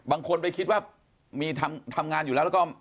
บางคนไปคิดว่ามีทำงานอยู่แล้วแล้วก็